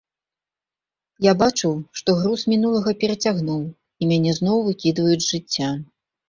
Я бачыў, што груз мінулага перацягнуў і мяне зноў выкідваюць з жыцця.